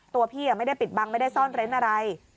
ตัวพี่ไม่ได้ปิดบังไม่ได้ซ่อนเร้นอะไร